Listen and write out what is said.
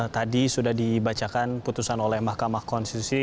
tadi sudah dibacakan putusan oleh mahkamah konstitusi